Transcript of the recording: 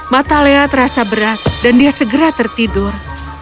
mata lea terasa berat dan dia segera tertidur